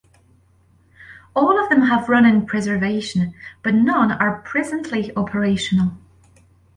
All of them have run in preservation but none are presently operational.